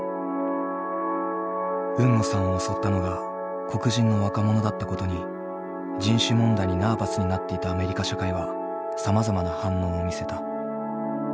海野さんを襲ったのが黒人の若者だったことに人種問題にナーバスになっていたアメリカ社会はさまざまな反応を見せた。